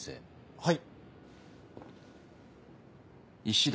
はい。